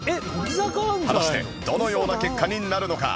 果たしてどのような結果になるのか？